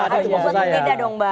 harus buat berbeda dong bang